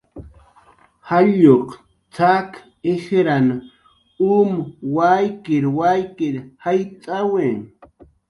"jalluq t""ak ijran um waykir waykir jayt'awi"